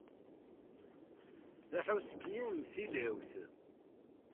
Tahuski-m d tilawt.